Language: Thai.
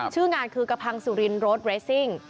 ชื่องานคือกระพังสุรินรถเรสซิ่ง